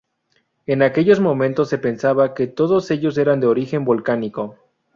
En aquellos momentos se pensaba que todos ellos eran de origen volcánico.